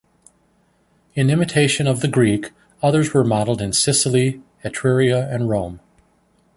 In imitation of the Greek, others were modeled in Sicily, Etruria, and Rome.